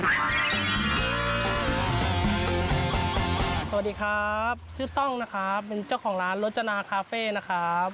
สวัสดีครับชื่อต้องนะครับเป็นเจ้าของร้านรจนาคาเฟ่นะครับ